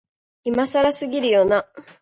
今更すぎるよな、